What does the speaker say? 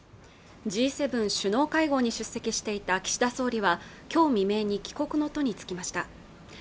Ｇ７首脳会合に出席していた岸田総理は今日未明に帰国の途に就きました